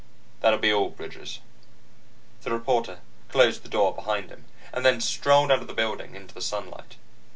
"That'll be all, Bridges." The reporter closed the door behind him, and then strolled out of the building into the sunlight.